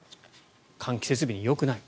換気設備によくない。